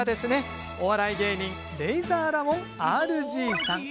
お笑い芸人レイザーラモンＲＧさん。